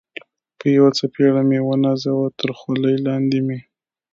په یوه څپېړه مې و نازاوه، تر خولۍ لاندې مې.